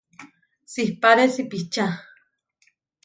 Siʼpáre sipiča.